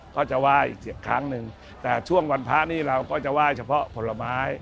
ก็จะไหว้อีกครั้งหนึ่งแต่ช่วงวันพระนี่เราก็จะไหว้เฉพาะผลไม้